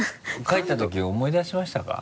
書いたとき思い出しましたか？